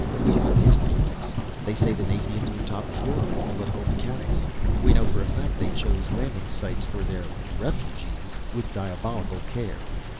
"We have history books. They say the Nathians were top drawer in political mechanics. We know for a fact they chose landing sites for their refugees with diabolical care.